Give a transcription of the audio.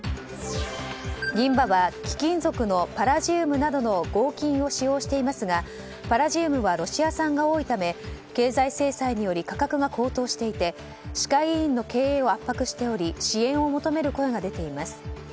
銀歯は、貴金属のパラジウムなどの合金を使用していますがパラジウムはロシア産が多いため経済制裁により価格が高騰していて歯科医院の経営を圧迫しており支援を求める声が出ています。